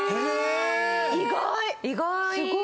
意外！